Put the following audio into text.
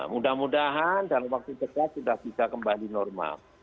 mudah mudahan dalam waktu dekat sudah bisa kembali normal